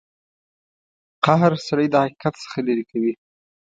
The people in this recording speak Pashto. قهر سړی د حقیقت څخه لرې کوي.